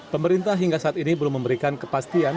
pemerintah hingga saat ini belum memberikan kepastian